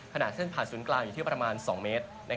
ขนาดเส้นผ่านศูนย์กลางอยู่ที่ประมาณ๒เมตร